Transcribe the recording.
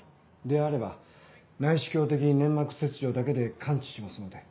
であれば内視鏡的粘膜切除だけで完治しますので。